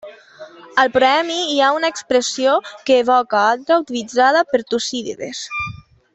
Al proemi hi ha una expressió que evoca a altra utilitzada per Tucídides.